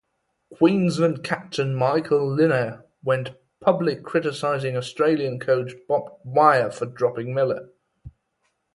Queensland captain Michael Lynagh went public criticising Australian coach Bob Dwyer for dropping Miller.